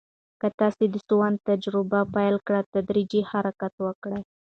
که تاسو د سونا تجربه پیل کوئ، تدریجي حرکت وکړئ.